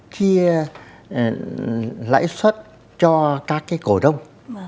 chia lãi xuất cho các cái cổ đông